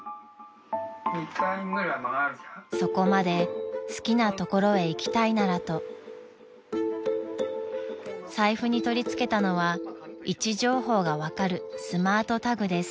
［そこまで好きな所へ行きたいならと財布に取り付けたのは位置情報が分かるスマートタグです］